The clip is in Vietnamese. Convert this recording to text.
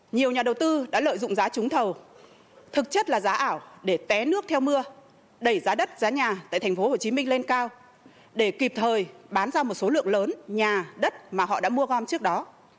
nhiều nhà đầu tư đã lợi dụng giá trúng thầu thực chất là giá ảo để té nước theo mưa đẩy giá đất giá nhà tại tp hcm lên cao để kịp thời bán ra một số lượng lớn nhà đất mà họ đã mua gom trước đó